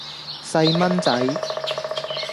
細蚊仔